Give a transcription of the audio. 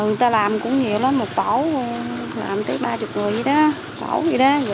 người ta làm cũng nhiều lắm một bổ làm tới ba mươi người vậy đó bổ vậy đó